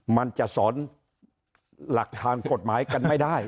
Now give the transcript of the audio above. มันจะสอนหลักทางกฎหมายกันไม่ได้